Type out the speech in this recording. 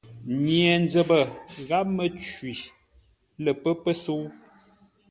Nye-nzəpə gháp Mə́cwi lə pə́ pəsə̌u.